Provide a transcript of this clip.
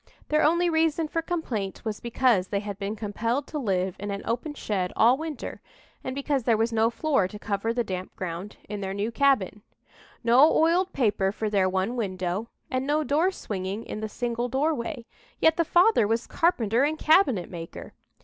Their only reason for complaint was because they had been compelled to live in an open shed all winter, and because there was no floor to cover the damp ground in their new cabin no oiled paper for their one window, and no door swinging in the single doorway yet the father was carpenter and cabinet maker!